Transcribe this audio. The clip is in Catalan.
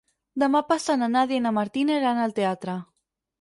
Demà passat na Nàdia i na Martina iran al teatre.